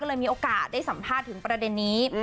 เลยมีโอกาสได้สัมภาษณ์ถึงประเด็นนี้